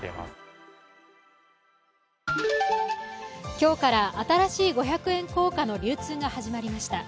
今日から新しい五百円硬貨の流通が始まりました。